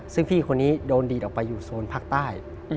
ซึ่งพี่คนนี้โดนดีดออกไปอยู่โซนภาคใต้